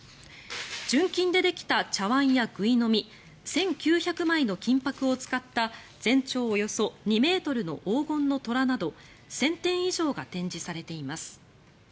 純金でできた茶わんやぐいのみ１９００枚の金箔を使った全長およそ２ｍの黄金の虎など１０００点以上が展示されています。